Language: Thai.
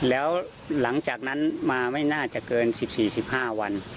แล้วหลังจากนั้นมาไม่น่าจะเกินสิบสี่สิบห้าวัน